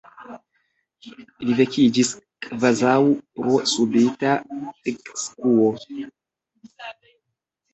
Li vekiĝis kvazaŭ pro subita ekskuo.